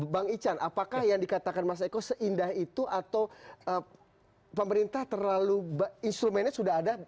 bang ican apakah yang dikatakan mas eko seindah itu atau pemerintah terlalu instrumennya sudah ada